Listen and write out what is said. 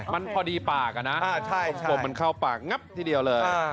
มันพอดีปากอะนะกลมมันเข้าปากงับทีเดียวเลย